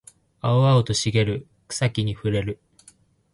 青々と茂る草木に触れる